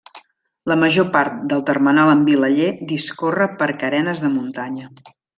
La major part del termenal amb Vilaller discorre per carenes de muntanya.